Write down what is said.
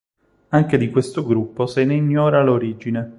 Anche di questo gruppo se ne ignora l'origine.